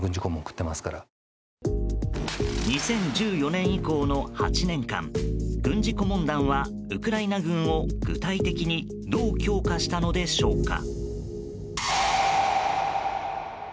２０１４年以降の８年間軍事顧問団はウクライナ軍を具体的にどう強化したのでしょうか？